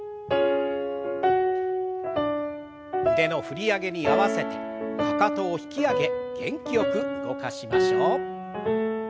腕の振り上げに合わせてかかとを引き上げ元気よく動かしましょう。